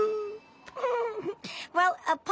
フフフ。